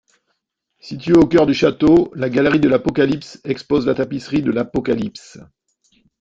Située au cœur du château, la galerie de l’Apocalypse expose la Tapisserie de l'Apocalypse.